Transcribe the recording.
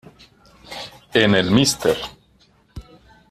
En el "Mr.